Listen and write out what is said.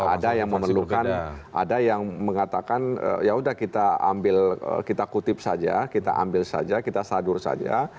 ada yang memerlukan ada yang mengatakan yaudah kita ambil kita kutip saja kita ambil saja kita sadur saja